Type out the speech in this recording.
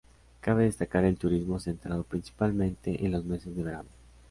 Cabe destacar el turismo centrado principalmente en los meses de verano.